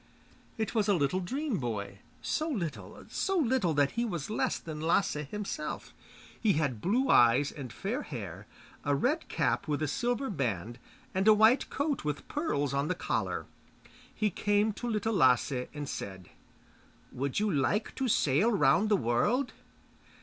It was a little dream boy, so little, so little, that he was less than Lasse himself; he had blue eyes and fair hair, a red cap with a silver band, and white coat with pearls on the collar. He came to Little Lasse and said, 'Would you like to sail round the world?